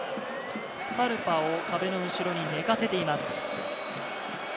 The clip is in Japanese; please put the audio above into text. スカルパを壁の後ろに寝かせています。